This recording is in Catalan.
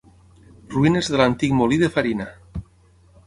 Ruïnes de l'antic molí de farina.